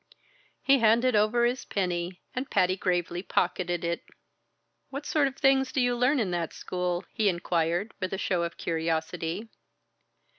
He handed over his penny, and Patty gravely pocketed it. "What sort of things do you learn in that school?" he inquired with a show of curiosity.